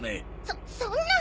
そそんな！